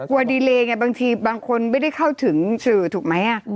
ดีเลไงบางทีบางคนไม่ได้เข้าถึงสื่อถูกไหม